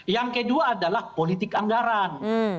yang kedua adalah politik anggaran